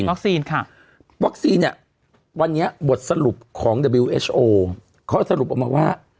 วัคซีนค่ะวัคซีนอ่ะวันนี้บทสรุปของวีวเอชโอเขาสรุปออกมาว่า